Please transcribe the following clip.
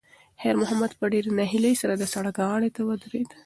خیر محمد په ډېرې ناهیلۍ سره د سړک غاړې ته ودرېد.